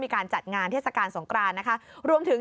ทางประเทศ